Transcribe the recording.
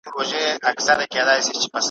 ورخبر یې کړزړګی په لړمانه کي `